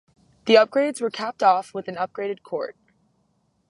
The upgrades were capped off with an upgraded court.